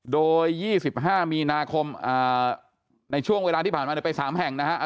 โดย๒๕มีนาคมในช่วงเวลาที่ผ่านมาไป๓แห่งนะฮะ